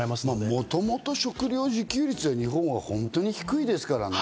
もともと食料自給率は日本は本当に低いですからね。